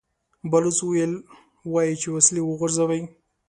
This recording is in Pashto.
بلوڅ وويل: وايي چې وسلې وغورځوئ!